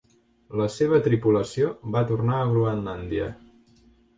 La seva tripulació va tornar a Groenlàndia.